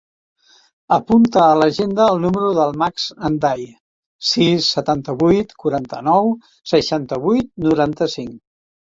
Apunta a l'agenda el número del Max Ndiaye: sis, setanta-vuit, quaranta-nou, seixanta-vuit, noranta-cinc.